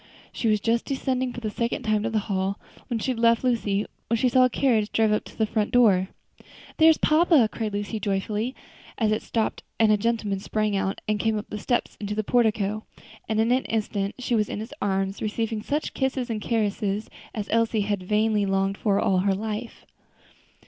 She was just descending for the second time to the hall, where she had left Lucy, when they saw a carriage drive up to the front door. "There's papa!" cried Lucy, joyfully, as it stopped and a gentleman sprang out and came up the steps into the portico; and in an instant she was in his arms, receiving such kisses and caresses as Elsie had vainly longed for all her life.